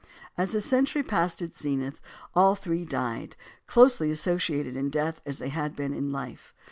As the century passed its zenith all three died, closely associated in death as they had been in life.